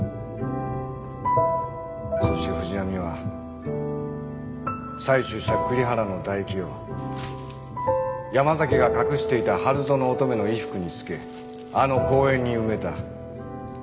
そして藤波は採取した栗原の唾液を山崎が隠していた春薗乙女の衣服につけあの公園に埋めた。